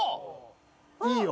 いいよ。